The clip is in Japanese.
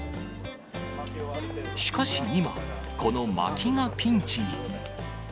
しかし今、このまきがピンチに。